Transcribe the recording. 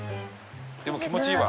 でも気持ちいいわ！